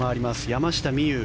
山下美夢有。